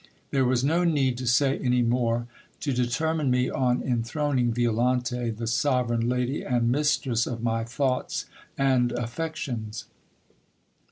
There was no need to say any more, to determine me on enthroning Violante the sovereign lady and mistress of my thoughts and affections.